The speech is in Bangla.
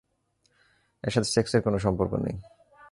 এর সাথে সেক্সের কোনো সম্পর্কই নেই।